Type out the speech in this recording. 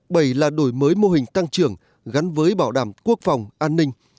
bảy là đổi mới mô hình tăng trưởng gắn với bảo đảm quốc phòng an ninh